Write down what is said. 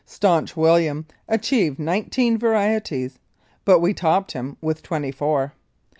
Staunch William achieved nineteen varieties, but we topped him with twenty four.